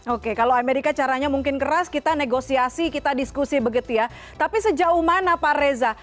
oke kalau amerika caranya mungkin keras kita negosiasi kita diskusi begitu ya tapi sejauh mana pak reza